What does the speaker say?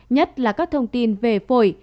nhất là các thông tin về phổi